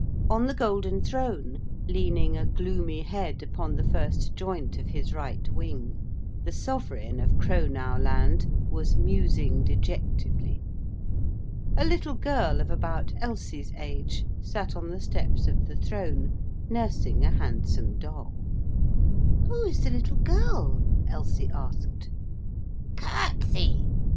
On the golden throne, leaning a gloomy head upon the first joint of his right wing, the Sovereign of Crownowland was musing dejectedly. A little girl of about Elsie's age sat on the steps of the throne nursing a handsome doll. 'Who is the little girl?' Elsie asked. '_Curtsey!